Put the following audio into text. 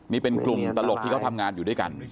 นี่เป็นกลุ่มตลกที่เขาทำงานอยู่ด้วยกัน